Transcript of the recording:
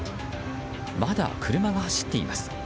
まだ車が走っています。